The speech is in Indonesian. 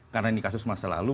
karena ini kasus masa lalu